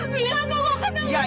bilang kamu ketahuan jawab